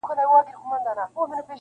o زاړه خبري بيا راژوندي کيږي,